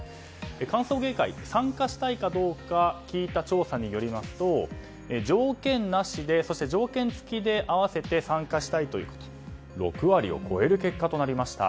歓送迎会、参加したいかどうか聞いた調査によりますと条件なしで、そして条件つきで合わせて参加したいという方は６割を超える結果となりました。